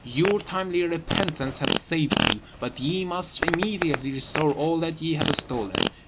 Your timely repentance has saved you. But ye must immediately restore all that ye have stolen.